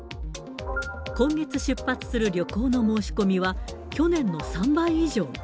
今月出発する旅行の申し込みは、去年の３倍以上。